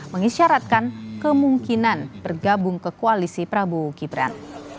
mengisyaratkan kemungkinan bergabung ke koalisi prabowo gibran